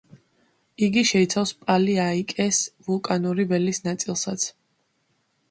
იგი შეიცავს პალი-აიკეს ვულკანური ველის ნაწილსაც.